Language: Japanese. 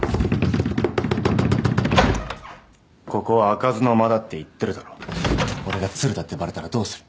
ここは開かずの間だって言ってるだろ俺が鶴だってバレたらどうする？